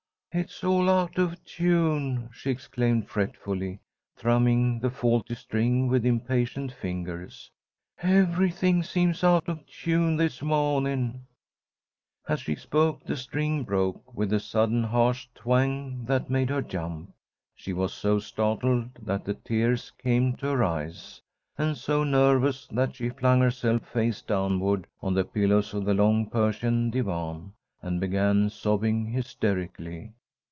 "It's all out of tune!" she exclaimed, fretfully, thrumming the faulty string with impatient fingers. "Everything seems out of tune this mawning!" As she spoke, the string broke with a sudden harsh twang that made her jump. She was so startled that the tears came to her eyes, and so nervous that she flung herself face downward on the pillows of the long Persian divan, and began sobbing hysterically.